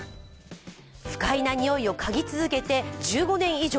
不快なにおいを嗅ぎ続けて１５年以上。